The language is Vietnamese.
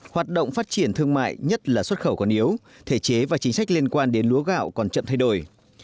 hoạt động phát triển thương mại nhất là xuất khẩu còn yếu thể chế và chính sách liên quan đến lúa gạo còn chậm thay đổi